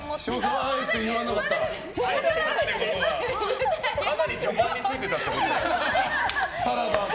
サラダってかなり序盤についてたってことだよね。